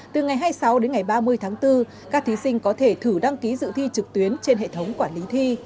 từ ngày hai mươi sáu đến ngày ba mươi tháng bốn các thí sinh có thể thử đăng ký dự thi trực tuyến trên hệ thống quản lý thi